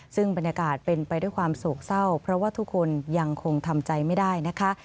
ซึ่งบรรยากาศเป็นไปด้วยความโศกเศร้าเพราะว่าทุกคนยังคงทำใจไม่ได้นะคะ